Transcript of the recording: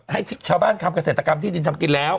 ให้ชาวบ้านทำเกษตรกรรมที่ดินทำกินแล้ว